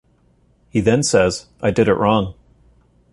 He then says, I did it wrong.